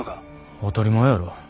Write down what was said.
当たり前やろ。